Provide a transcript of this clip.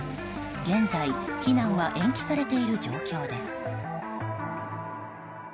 現在、避難は延期されている状況です。